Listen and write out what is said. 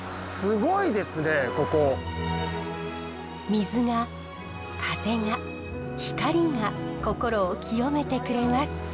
水が風が光が心を清めてくれます。